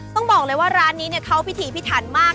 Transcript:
ต้องบอกเลยว่าร้านนี้เขาพิถีพิถันมาก